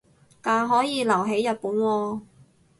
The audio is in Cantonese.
但可以留係日本喎